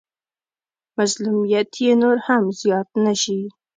مظلوميت يې نور هم زيات نه شي.